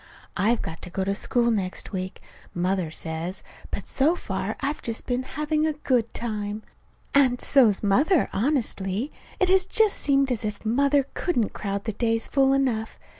I've got to go to school next week, Mother says, but so far I've just been having a good time. And so's Mother. Honestly, it has just seemed as if Mother couldn't crowd the days full enough.